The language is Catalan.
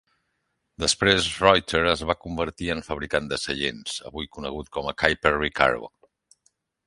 Després Reuter es va convertir en fabricant de seients, avui conegut com a Keiper-Recaro.